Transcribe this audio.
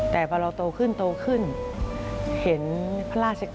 แต่พระเราโตขึ้นเห็นพระราชกริยกิจเห็นพระราชกริยกิจ